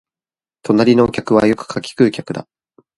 隣の客はよく柿喰う客だ